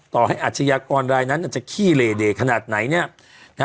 ต่อให้อาชญากรรายนั้นจะขี้เลเดขนาดไหนเนี่ยนะฮะ